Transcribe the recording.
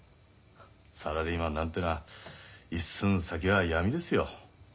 サラリーマンなんてのは一寸先は闇ですよ。